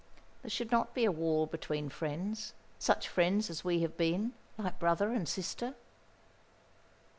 "There should not be a wall between friends such friends as we have been like brother and sister."